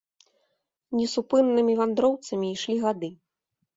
Несупыннымі вандроўцамі ішлі гады.